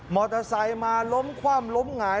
มอเตอร์ไซค์มาล้มคว่ำล้มหงาย